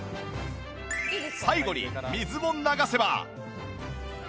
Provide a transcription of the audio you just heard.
最後に水を流せば